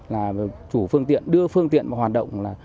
là chủ phương tiện đưa phương tiện vào hoạt động là